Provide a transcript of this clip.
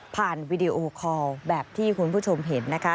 วีดีโอคอลแบบที่คุณผู้ชมเห็นนะคะ